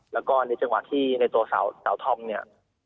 แล้วก็ในจังหวะที่ในตัวสาวธอมเนี่ย